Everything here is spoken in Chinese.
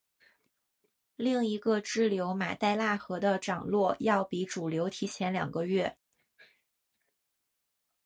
另一个支流马代腊河的涨落要比主流提前两个月。